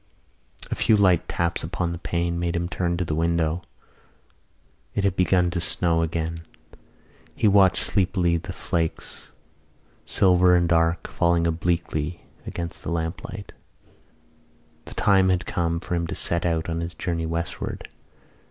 A few light taps upon the pane made him turn to the window. It had begun to snow again. He watched sleepily the flakes, silver and dark, falling obliquely against the lamplight. The time had come for him to set out on his journey westward.